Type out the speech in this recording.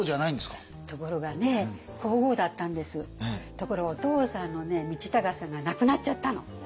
ところがお父さんの道隆さんが亡くなっちゃったの。